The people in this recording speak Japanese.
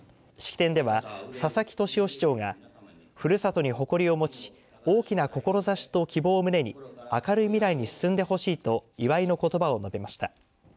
式典では、佐々木敏夫市長がふるさとに誇りをもち大きな志と希望を胸に明るい未来に進んでほしいと祝いのことばを述べました。